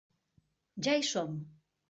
Ja hi som.